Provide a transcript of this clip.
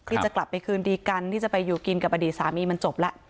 ที่จะกลับไปคืนดีกันที่จะไปอยู่กินกับอดีตสามีมันจบแล้ว